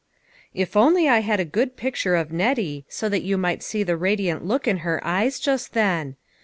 IF only I had a good picture of Nettie, so that you might see the radiant look in her eyes just then